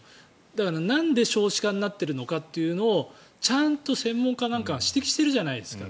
だから、なんで少子化になっているのかということをちゃんと専門家なんかが指摘しているじゃないですか。